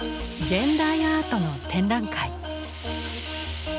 現代アートの展覧会。